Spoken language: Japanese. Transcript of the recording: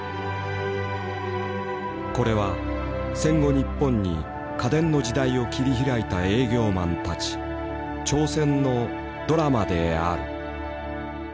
これは戦後日本に家電の時代を切り開いた営業マンたち挑戦のドラマである。